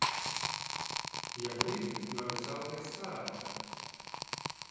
Ja gribi, vari celties sēdus.